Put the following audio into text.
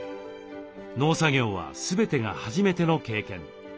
農作業は全てが初めての経験。